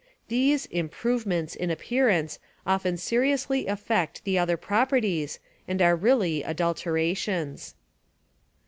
These "improvements" in appearance often seriously affect the other properties and are really adulterations.